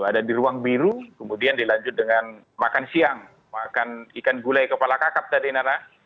ada di ruang biru kemudian dilanjut dengan makan siang makan ikan gulai kepala kakap tadi nana